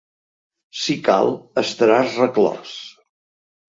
Si cal, estaràs reclòs.